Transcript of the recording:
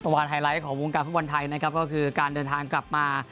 วานไฮไลท์ของวงการฟุตบอลไทยนะครับก็คือการเดินทางกลับมา